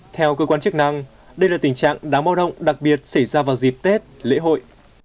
theo cơ quan chức năng đây là tình trạng đáng bao động đặc biệt xảy ra vào dịp tết lễ hội